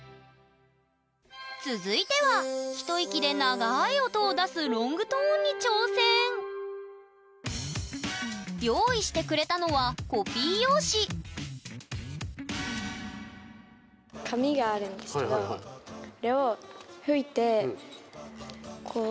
続いては一息で長い音を出すロングトーンに挑戦用意してくれたのはコピー用紙なるほど！が森本さんは８秒もつかな？